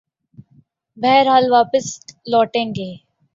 بہرحال واپس لوٹیں گے۔